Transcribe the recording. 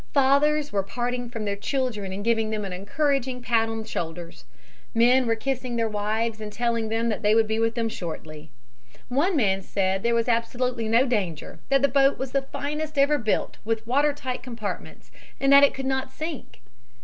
Fathers were parting from their children and giving them an encouraging pat on the shoulders; men were kissing their wives and telling them that they would be with them shortly. One man said there was absolutely no danger, that the boat was the finest ever built, with water tight compartments, and that it could not sink.